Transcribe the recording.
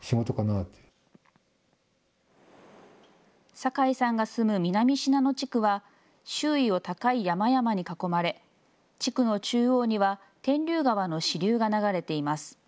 酒井さんが住む南信濃地区は周囲を高い山々に囲まれ地区の中央には天竜川の支流が流れています。